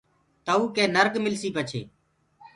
تئوٚ ڪي نرگ ملسيٚ۔ پڇي